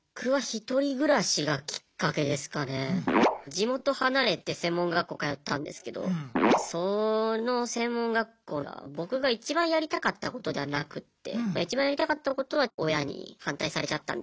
地元離れて専門学校通ったんですけどその専門学校が僕が一番やりたかったことではなくって一番やりたかったことは親に反対されちゃったんで。